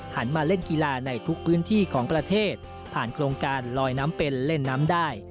มาเล่นกีฬาในทุกพื้นที่ของประเทศผ่านโครงการลอยน้ำเป็นเล่นน้ำได้